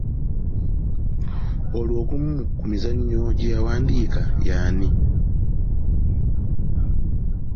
Olwo ogumu ku mizannyo gye yawandiika y'ani?